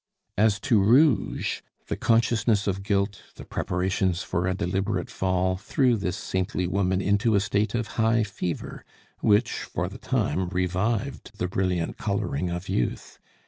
As to rouge the consciousness of guilt, the preparations for a deliberate fall, threw this saintly woman into a state of high fever, which, for the time, revived the brilliant coloring of youth.